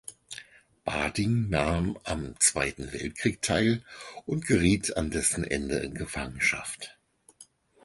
Bading nahm am Zweiten Weltkrieg teil und geriet an dessen Ende in Gefangenschaft.